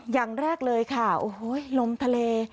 อย่างแรกเลยค่ะโอ้โหลมทะเล